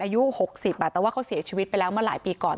อายุ๖๐แต่ว่าเขาเสียชีวิตไปแล้วเมื่อหลายปีก่อน